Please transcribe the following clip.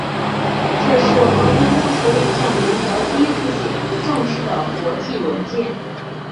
这是和平共处五项原则第一次写入正式的国际文件。